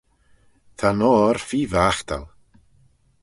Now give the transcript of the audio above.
Ta'n oyr feer vaghtal.